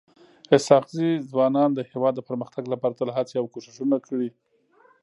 اسحق زي ځوانانو د هيواد د پرمختګ لپاره تل هڅي او کوښښونه کړي.